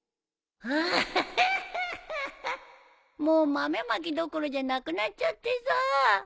もう豆まきどころじゃなくなっちゃってさ。